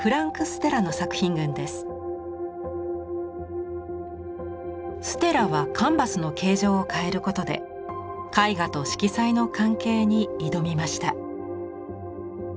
ステラはカンバスの形状を変えることで絵画と色彩の関係に挑みました。